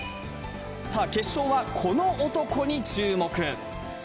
さあ、決勝はこの男に注目。